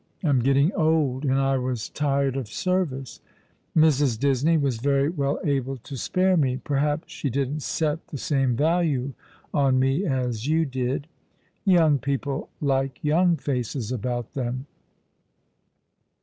I'm getting old, and I was tired of service. Mrs. Disney was very well able to spare me. Perhaps she didn't set the same value on me as you did. Young people like young faces about them."